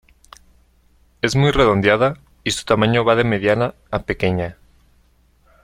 Es muy redondeada y su tamaño va de mediana a pequeña.